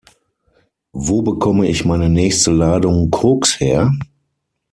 Wo bekomme ich meine nächste Ladung Koks her?